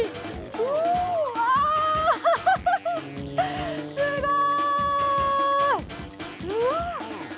うわすごい！